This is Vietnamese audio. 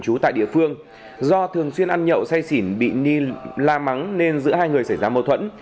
chú tại địa phương do thường xuyên ăn nhậu say xỉn bị ni la mắng nên giữa hai người xảy ra mâu thuẫn